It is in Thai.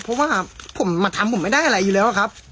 เพราะว่าผมมาทำผมไม่ได้อะไรอยู่แล้วครับ